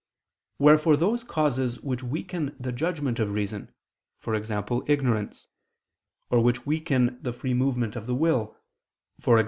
Wherefore those causes which weaken the judgment of reason (e.g. ignorance), or which weaken the free movement of the will, (e.g.